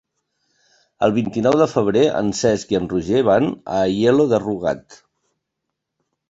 El vint-i-nou de febrer en Cesc i en Roger van a Aielo de Rugat.